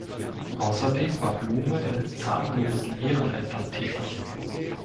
Außerdem war Blume in zahllosen Ehrenämtern tätig.